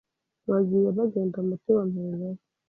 bagiye bagenda muti wa mperezayo